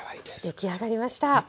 出来上がりました。